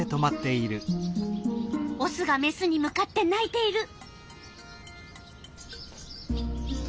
オスがメスに向かって鳴いている。